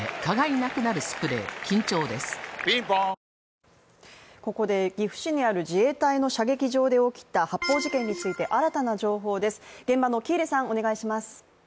続くここで岐阜市にある自衛隊の射撃場で起きた発砲事件について新たな情報です。